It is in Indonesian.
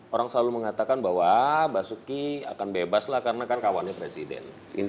orang selalu mengatakan bahwa basuki akan bebas lah karena kan kawannya presiden